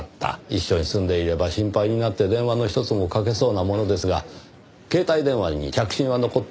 一緒に住んでいれば心配になって電話のひとつもかけそうなものですが携帯電話に着信は残っていませんでした。